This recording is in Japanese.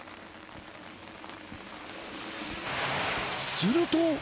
すると。